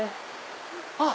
あっ！